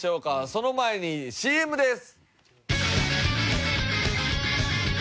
その前にＣＭです。